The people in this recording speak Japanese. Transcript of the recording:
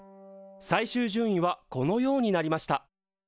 最終順位はこのようになりました。